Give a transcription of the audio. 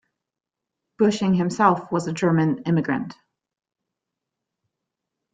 Buesching himself was a German immigrant.